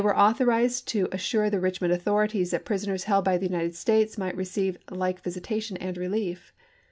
m' authorized to assure the Eichmond authorities that prisoners held by the United States might receive like visitation and relief.